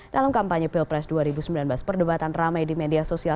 dalam kampanye pilpres dua ribu sembilan belas perdebatan ramai di media sosial